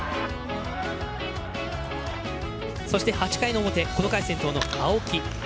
そして８回の表この回先頭の青木。